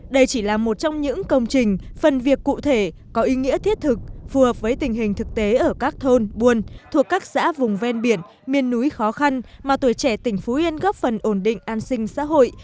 đây chỉ là một trong những công trình phần việc cụ thể có ý nghĩa thiết thực phù hợp với tình hình thực tế ở các thôn buôn thuộc các xã vùng ven biển miền núi khó khăn mà tuổi trẻ tỉnh phú yên góp phần ổn định an sinh xã hội